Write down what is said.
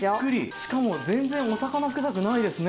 しかも全然お魚臭くないですね。